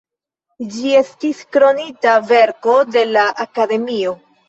Ĝi estis Kronita Verko de la Akademio.